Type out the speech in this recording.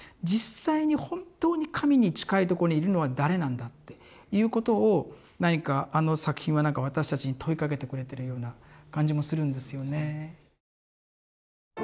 実際に本当に神に近いとこにいるのは誰なんだっていうことを何かあの作品はなんか私たちに問いかけてくれてるような感じもするんですよね。